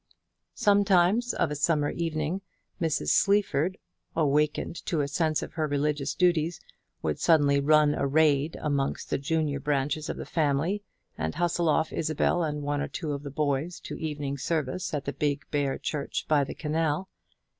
Sometimes of a summer evening, Mrs. Sleaford, awakened to a sense of her religious duties, would suddenly run a raid amongst the junior branches of the family, and hustle off Isabel and one or two of the boys to evening service at the big bare church by the canal.